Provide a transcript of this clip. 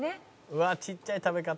「うわっちっちゃい食べ方」